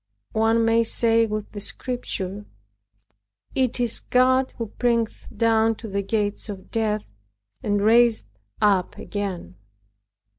One may say with the Scripture, "It is God who bringeth down to the gates of death, and raiseth up again."